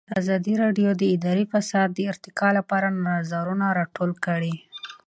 ازادي راډیو د اداري فساد د ارتقا لپاره نظرونه راټول کړي.